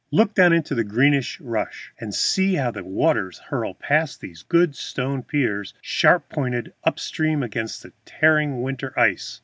Look down into the greenish rush, and see how the waters hurl past these good stone piers, sharp pointed up stream against the tearing of winter ice!